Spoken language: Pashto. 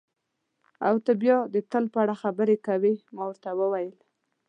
او ته بیا د تل په اړه خبرې کوې، ما ورته وویل.